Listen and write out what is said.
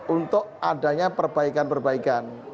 untuk adanya perbaikan perbaikan